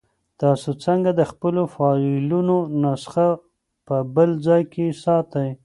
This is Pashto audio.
تاسو څنګه د خپلو فایلونو نسخه په بل ځای کې ساتئ؟